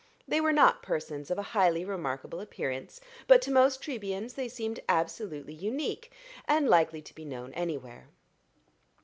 They were not persons of a highly remarkable appearance, but to most Trebians they seemed absolutely unique, and likely to be known anywhere.